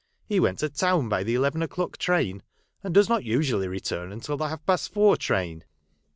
He went to town by the eleven o'clock train, and does not usually return until the half past four train."